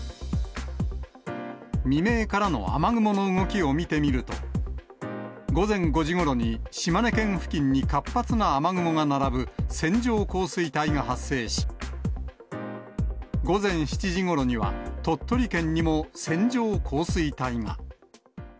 未明からの雨雲の動きを見てみると、午前５時ごろに島根県付近に活発な雨雲が並ぶ線状降水帯が発生し、午前７時ごろには、鳥取県にも線状降水帯が。